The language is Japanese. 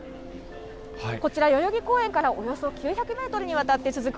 こちら代々木公園からおよそ９００メートルにわたって続く